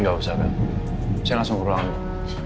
gak usah pak saya langsung ke ruangan dulu